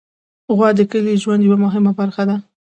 غوا د کلي ژوند یوه مهمه برخه ده.